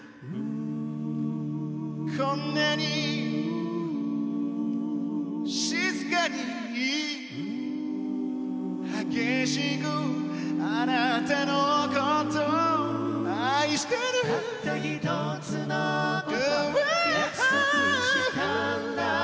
こんなに静かに激しくあなたのこと愛してるたった一つのこと約束したんだ